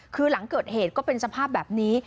คือหลังเกิดเหตุก็เป็นสภาพแบบนี้